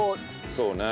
そうね。